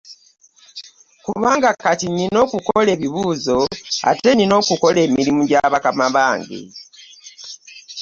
Kubanga kati nina okukola ebibuuzo , ate nina okula emirimu ja bakama bange .